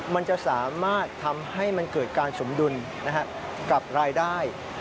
มันจะสามารถทำให้มันเกิดการสมดุลกับรายได้